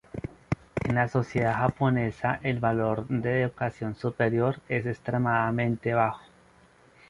En la sociedad japonesa el valor de educación superior es extremadamente bajo.